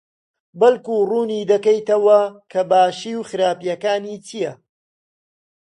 بەڵکو ڕوونی دەکەیتەوە کە باشی و خراپییەکانی چییە؟